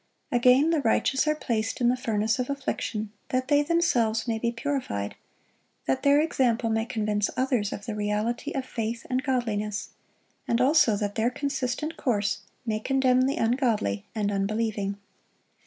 Again, the righteous are placed in the furnace of affliction, that they themselves may be purified; that their example may convince others of the reality of faith and godliness; and also that their consistent course may condemn the ungodly and unbelieving.